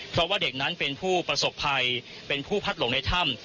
เพราะว่าเด็กนั้นเป็นผู้ประสบภัยเป็นผู้พัดหลงในถ้ำ